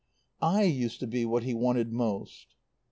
"I used to be what he wanted most."